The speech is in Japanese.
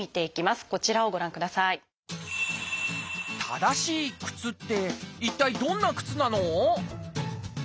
正しい靴って一体どんな靴なの？